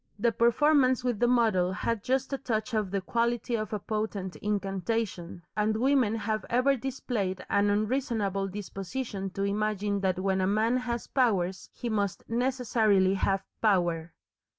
The performance with the model had just a touch of the quality of a potent incantation, and women have ever displayed an unreasonable disposition to imagine that when a man has powers he must necessarily have Power.